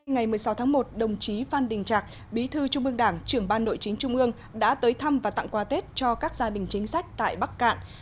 ngày một mươi sáu tháng một đồng chí phan đình trạc bí thư trung ương đảng trưởng ban nội chính trung ương đã tới thăm và tặng quà tết cho các gia đình chính sách tại bắc cạn